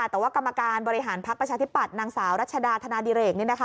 แต่ว่ากรรมการบริหารพักประชาธิปัตย์นางสาวรัชดาธนาดิเรก